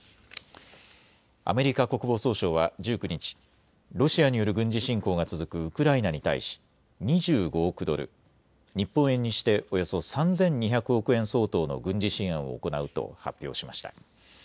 アメリカ国防総省は１９日、ロシアによる軍事侵攻が続くウクライナに対し２５億ドル、日本円にしておよそ３２００億円相当の軍事支援を行うと発表しました。